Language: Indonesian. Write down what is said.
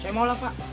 saya maulah pak